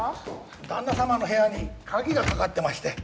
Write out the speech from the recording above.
旦那様の部屋に鍵が掛かってまして。